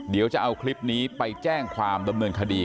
เดี๋ยวจะเอาคลิปนี้ไปแจ้งความดำเนินคดี